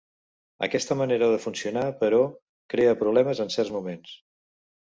Aquesta manera de funcionar, però, crea problemes en certs moments.